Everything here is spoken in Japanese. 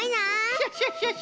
クシャシャシャ！